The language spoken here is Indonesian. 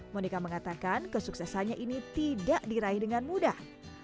monika mengatakan kesuksesannya ini tidak diraih dengan mudah